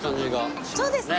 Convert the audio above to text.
そうですね。